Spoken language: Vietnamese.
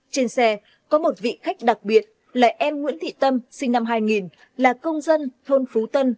trên xe có một vị khách đặc biệt là em nguyễn thị tâm sinh năm hai nghìn là công dân thôn phú tân